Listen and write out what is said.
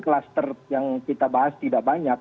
kluster yang kita bahas tidak banyak